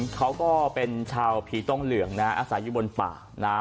เขาก็เป็นชาวผีต้องเหลืองนะอาศัยอยู่บนป่านะฮะ